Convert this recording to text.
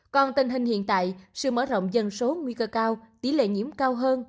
còn tình hình hiện tại sự mở rộng dân số nguy cơ cao tỷ lệ nhiễm cao hơn